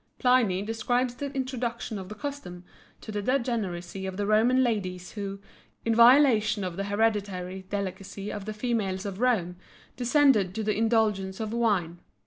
Pliny describes the introduction of the custom to the degeneracy of the Roman ladies who, in violation of the hereditary delicacy of the females of Rome, descended to the indulgence of wine.